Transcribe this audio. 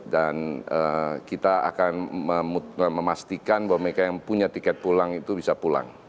dan kita akan memastikan bahwa mereka yang punya tiket pulang itu bisa pulang